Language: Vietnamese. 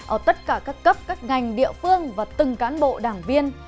ở tất cả các cấp các ngành địa phương và từng cán bộ đảng viên